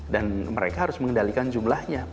dan mereka harus mengendalikan jumlahnya